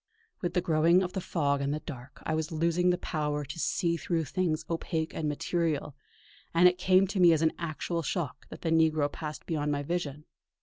With the growing of the fog and the dark, I was losing the power to see through things opaque and material; and it came to me as an actual shock that the negro passed beyond my vision.